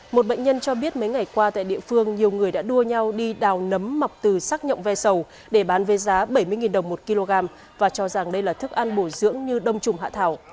một bệnh nhân cho biết mấy ngày qua tại địa phương nhiều người đã đua nhau đi đào nấm mọc từ sắc nhộng ve sầu để bán về giá bảy mươi đồng một kg và cho rằng đây là thức ăn bổ dưỡng như đông trùng hạ thảo